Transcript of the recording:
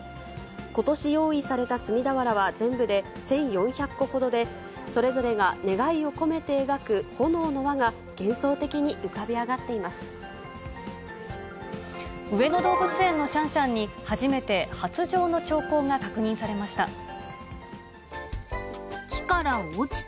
ことし用意された炭俵は全部で１４００個ほどで、それぞれが願いを込めて描く炎の輪が幻想的に浮かび上がっていま上野動物園のシャンシャンに、初めて発情の兆候が確認されました。